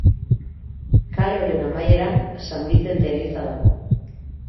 Kale honen amaieran San Bizente eliza dago.